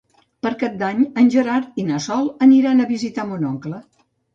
Per Cap d'Any en Gerard i na Sol aniran a visitar mon oncle.